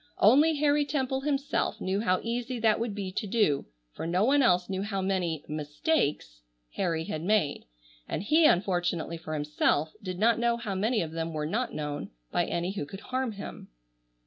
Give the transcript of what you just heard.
Only Harry Temple himself knew how easy that would be to do, for no one else knew how many "mistakes" (?) Harry had made, and he, unfortunately for himself, did not know how many of them were not known, by any who could harm him.